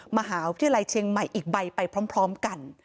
มหาวิทยาลัยเชียงใหม่อีกใบไปพร้อมกัน